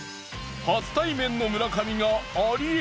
初対面の村上がありえ